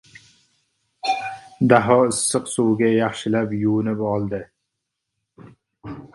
Daho issiq suvga yaxshilab yuvinib oldi.